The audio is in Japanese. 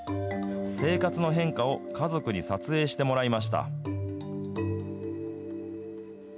生活の変化を家族に撮影してもらいました。